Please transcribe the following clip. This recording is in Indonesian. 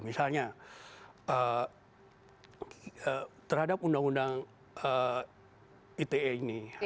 misalnya terhadap undang undang ite ini